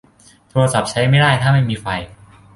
โทรศัพท์ใช้ไม่ได้ถ้าไม่มีไฟ